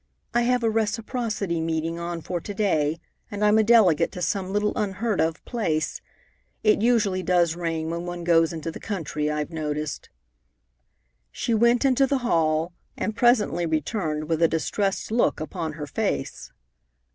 I have a Reciprocity meeting on for to day, and I'm a delegate to some little unheard of place. It usually does rain when one goes into the country, I've noticed." She went into the hall, and presently returned with a distressed look upon her face.